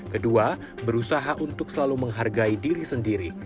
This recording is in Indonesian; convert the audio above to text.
kedua berusaha untuk selalu menghargai diri sendiri